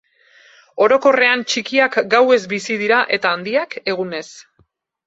Orokorrean, txikiak gauez bizi dira eta handiak, egunez.